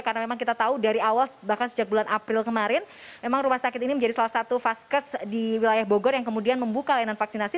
karena memang kita tahu dari awal bahkan sejak bulan april kemarin memang rumah sakit ini menjadi salah satu vaskes di wilayah bogor yang kemudian membuka layanan vaksinasi